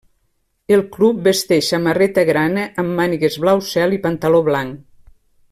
El club vesteix samarreta grana amb mànigues blau cel i pantaló blanc.